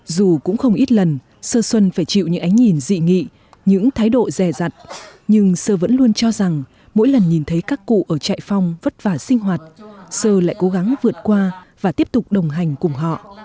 dù cũng không ít lần sơ xuân phải chịu những ánh nhìn dị nghị những thái độ dè dặn nhưng sơ vẫn luôn cho rằng mỗi lần nhìn thấy các cụ ở trại phong vất vả sinh hoạt sơ lại cố gắng vượt qua và tiếp tục đồng hành cùng họ